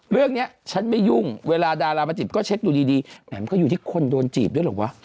เรื่องนี้ฉันไม่ยุ่งเวลาดารามาจีบก็เช็คดูดีแหมมันก็อยู่ที่คนโดนจีบด้วยเหรอวะ